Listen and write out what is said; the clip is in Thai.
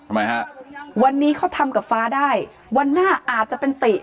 ทำไมฮะวันนี้เขาทำกับฟ้าได้วันหน้าอาจจะเป็นติ